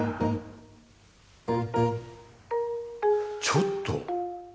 ちょっと！